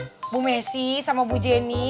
ibu messi sama bu jenny